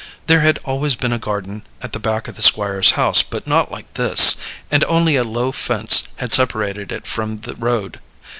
There had always been a garden at the back of the Squire's house, but not like this, and only a low fence had separated it from the road.